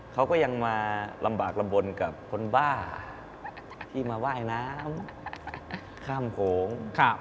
เขาก็ยังมาลำบากลำบลกับคนบ้าที่มาว่ายน้ำข้ามโขง